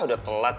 udah telat juga